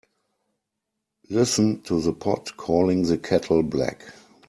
Listen to the pot calling the kettle black.